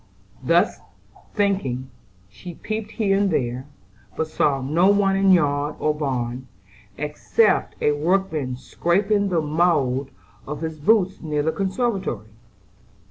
Thinking thus, she peeped here and there, but saw no one in yard or barn, except a workman scraping the mould off his boots near the conservatory.